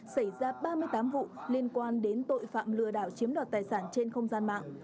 xảy ra ba mươi tám vụ liên quan đến tội phạm lừa đảo chiếm đoạt tài sản trên không gian mạng